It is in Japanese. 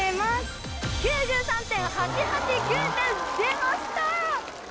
９３．８８９点出ました！